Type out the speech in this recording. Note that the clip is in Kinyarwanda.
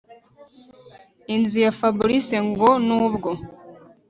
inzu ya Fabric ngo nubwo